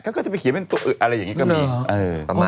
ก็ตื่นไปเขียนอะไรอย่างนี้ก็มี